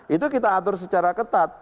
itu kita atur secara ketat